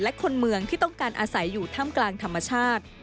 และคนเมืองที่ต้องการอาศัยอยู่ถ้ำกลางธรรมชาติ